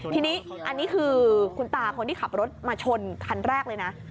ทีนี้อันนี้คือคุณตาคนที่ขับรถมาชนคันแรกเลยนะ